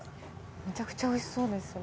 めちゃくちゃ美味しそうですそれ。